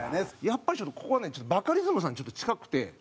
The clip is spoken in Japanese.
やっぱりちょっとここはねバカリズムさんにちょっと近くて。